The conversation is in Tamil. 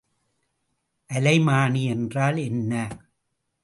அலைமானி என்றால் என்ன?